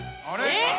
えっ？